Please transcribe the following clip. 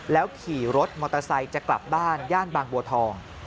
ขี่รถมอเตอร์ไซค์จะกลับบ้านย่านบางบัวทอง